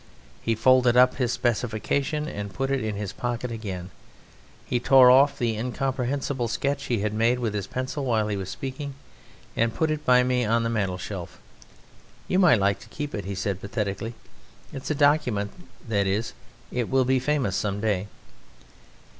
He folded up his specification and put it in his pocket again. He tore off the incomprehensible sketch he had made with his pencil while he was speaking, and put it by me on the mantelshelf. "You might like to keep it," he said pathetically; "it's a document, that is; it will be famous some day."